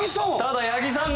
八木さん。